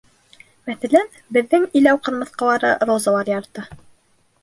Мәҫәлән, беҙҙең иләү ҡырмыҫҡалары Розалар ярата.